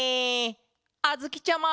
あづきちゃま！